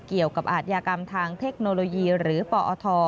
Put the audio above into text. เกี่ยวกับอาชญากรรมทางเทคโนโลยีหรือปอท